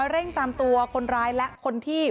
เร่งตามตัวคนร้ายและคนที่